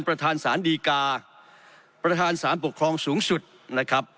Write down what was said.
ประธานสารดีกาประธานสารปกครองสูงสุดนะครับ